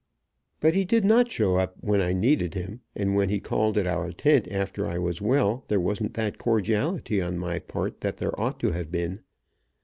But he did not show up when I needed him, and when he called at our tent after I was well, there wasn't that cordiality on my part that there ought to have been.